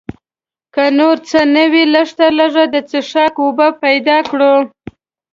که نور څه نه وي لږ تر لږه د څښاک اوبه پیدا کړو.